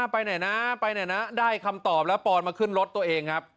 ไปไหนนะไปไหนนะได้คำตอบแล้วปอนมาขึ้นรถตัวเองครับ